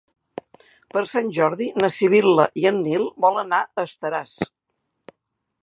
Per Sant Jordi na Sibil·la i en Nil volen anar a Estaràs.